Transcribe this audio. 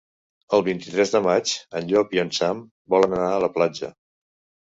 El vint-i-tres de maig en Llop i en Sam volen anar a la platja.